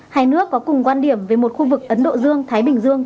hai nước có cùng quan điểm về một khu vực ấn độ dương thái bình dương